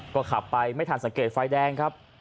ก็ขับไปไม่ทันสังเกตไฟแดงครับ